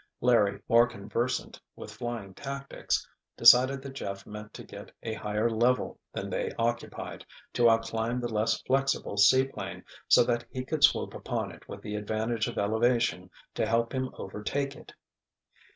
Larry, more conversant with flying tactics, decided that Jeff meant to get to a higher level than they occupied, to outclimb the less flexible seaplane, so that he could swoop upon it with the advantage of elevation to help him overtake it.